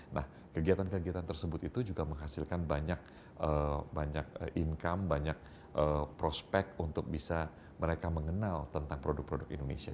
nah kegiatan kegiatan tersebut itu juga menghasilkan banyak income banyak prospek untuk bisa mereka mengenal tentang produk produk indonesia